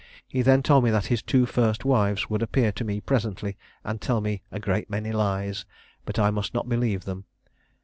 He then told me that his two first wives would appear to me presently and tell me a great many lies, but I must not believe them.